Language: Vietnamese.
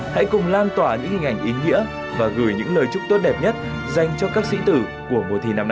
hãy cùng lan tỏa những hình ảnh ý nghĩa và gửi những lời chúc tốt đẹp nhất dành cho các sĩ tử của mùa thi năm nay